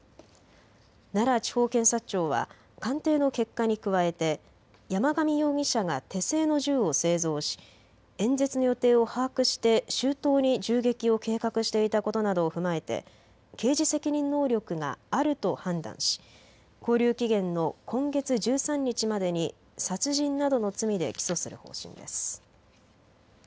奈良地方検察庁は鑑定の結果に加えて山上容疑者が手製の銃を製造し演説の予定を把握して周到に銃撃を計画していたことなどを踏まえて刑事責任能力があると判断し勾留期限の今月１３日までに殺人などの罪で起訴する方針です。